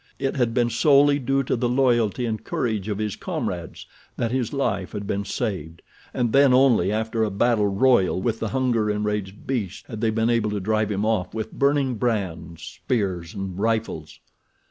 It had been solely due to the loyalty and courage of his comrades that his life had been saved, and then only after a battle royal with the hunger enraged beast had they been able to drive him off with burning brands, spears, and rifles.